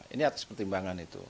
ini atas pertimbangan itu